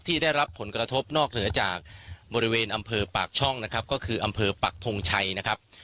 ได้รับผลกระทบนอกเหนือจากบริเวณอำเภอปากช่องนะครับก็คืออำเภอปักทงชัยนะครับ